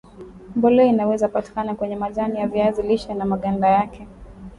mbolea inaweza patikana kwenye majani ya viazi lishe na maganda yake